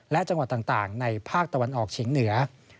และจังหวัดต่างในภาคตะวันออกเฉียงเหนือ